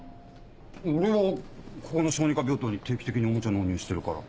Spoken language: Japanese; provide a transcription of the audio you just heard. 俺はここの小児科病棟に定期的におもちゃ納入してるから。